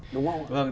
đúng không ạ